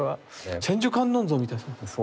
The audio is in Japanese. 千手観音像みたいですね。